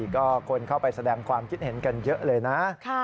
ก็คนเข้าไปแสดงความคิดเห็นกันเยอะเลยนะ